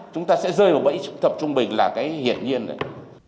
chúng ta sẽ rơi vào bẫy thập trung bình là cái hiển nhiên đấy